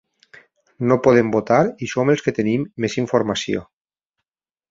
No podem votar i som els qui tenim més informació?